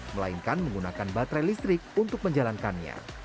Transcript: melainkan menggunakan baterai listrik untuk menjalankannya